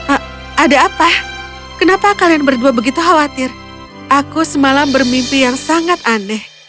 ah ada apa kenapa kalian berdua begitu khawatir aku semalam bermimpi yang sangat aneh